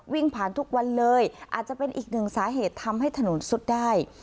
วิ่งผ่านทุกวันเลยอาจจะเป็นอีกหนึ่งสาเหตุทำให้ถนนสุดได้